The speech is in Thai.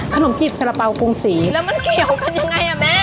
ขนมกรีบสาระเป๋าปรุงสีแล้วมันเกี่ยวกันยังไงอ่ะแม่